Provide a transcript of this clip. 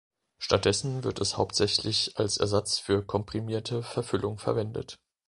Stattdessen wird es hauptsächlich als Ersatz für komprimierte Verfüllung verwendet.